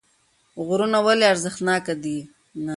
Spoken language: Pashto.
غرونه ولې ارزښتناکه دي